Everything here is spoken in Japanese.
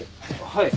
はい。